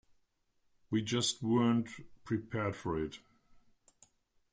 We just weren't prepared for it.